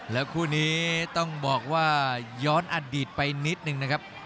แล้วคู่นี้ต้องบอกว่าย้อนอดีตไปนิดนึงนะครับ